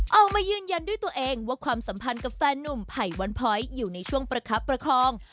ออกมายืนยันด้วยตัวเองว่าความสัมพันธ์กับแฟนนุ่มไผ่วันพ้อยอยู่ในช่วงประคับประคอง